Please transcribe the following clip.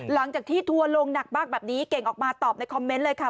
หลังจากที่ทัวร์ลงหนักบ้างแบบนี้เก่งออกมาตอบในคอมเมนต์เลยค่ะ